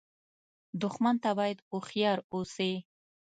دښمن ته باید هوښیار اوسې